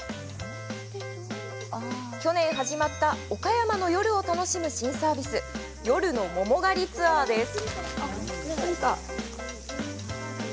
去年始まった岡山の夜を楽しむ新サービス夜の桃狩りツアーです。